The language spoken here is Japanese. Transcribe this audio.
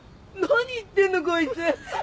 何言ってんのこいつ！